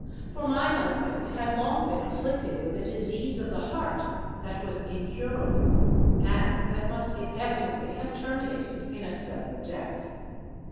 For my husband had long been afflicted with a disease of the heart that was incurable, and that must inevitably have terminated in a sudden death.